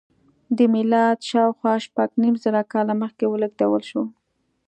له میلاده شاوخوا شپږ نیم زره کاله مخکې ولېږدول شوه.